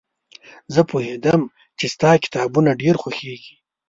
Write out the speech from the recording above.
زه پوهېدم چې ستا کتابونه ډېر خوښېږي.